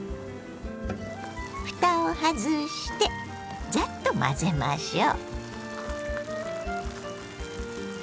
ふたを外してザッと混ぜましょう。